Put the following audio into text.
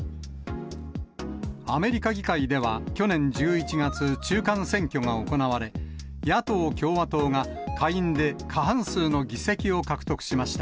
アメリカ議会では去年１１月、中間選挙が行われ、野党・共和党が下院で過半数の議席を獲得しました。